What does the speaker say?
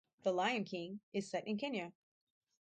The lion king is set in Kenya.